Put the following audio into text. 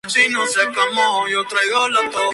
Du Bois; y "Opportunity".